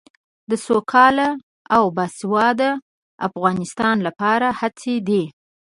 د سوکاله او باسواده افغانستان لپاره هڅې دي.